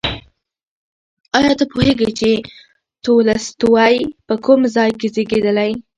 ایا ته پوهېږې چې تولستوی په کوم ځای کې زېږېدلی؟